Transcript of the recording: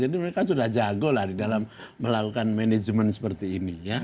jadi mereka sudah jago lah di dalam melakukan manajemen seperti ini